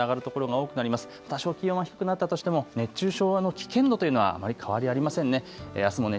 多少気温は低くなったとしても熱中症の危険度は変わりありませんね。